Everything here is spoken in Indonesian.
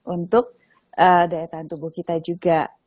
untuk daya tahan tubuh kita juga